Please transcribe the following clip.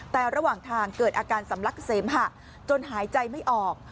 แต่ระหว่างทางเกิดอาการสำลักเสมหะจนหายใจไม่ออก